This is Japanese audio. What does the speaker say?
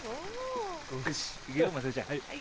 よしいくよ雅代ちゃん。